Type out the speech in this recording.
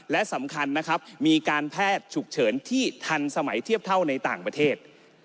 และสำคัญนะครับมีการแพทย์ฉุกเฉินที่ทันสมัยเทียบเท่าในต่างประเทศ